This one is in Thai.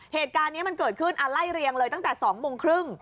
เหตุการณ์นี้มันเกิดขึ้นไล่เรียงเลยตั้งแต่๒โมงครึ่ง